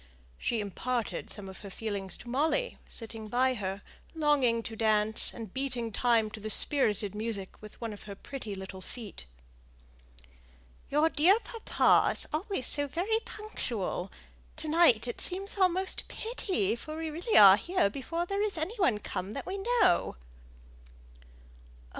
She imparted some of her feelings to Molly, sitting by her, longing to dance, and beating time to the spirited music with one of her pretty little feet. "Your dear papa is always so very punctual! To night it seems almost a pity, for we really are here before there is any one come that we know."